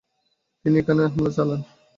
তিনি এখানে হামলা চালান।